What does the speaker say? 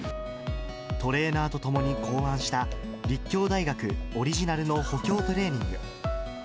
トレーナーと共に考案した、立教大学オリジナルの補強トレーニング。